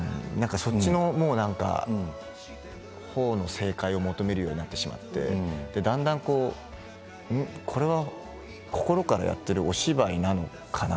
そちらのほうの正解を求めるようになってしまってだんだん、これは心からやっているお芝居なのかな？